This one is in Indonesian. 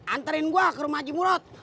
anterin gua ke rumah aji murad